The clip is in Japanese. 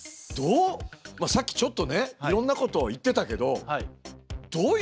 さっきちょっとねいろんなことを言ってたけどどういうふうに。